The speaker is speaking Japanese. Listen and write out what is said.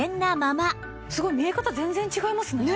すごい見え方全然違いますね。